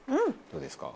どうですか？